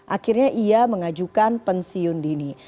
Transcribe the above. akhirnya ia mengajukan pensiun dini